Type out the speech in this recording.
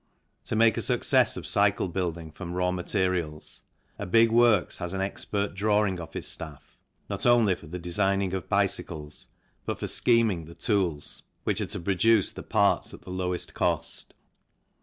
To make a success of cycle building from raw materials a big works has an expert drawing office staff, not only for the designing of bicycles but for scheming the tools which are to produce the parts at the lowest cost.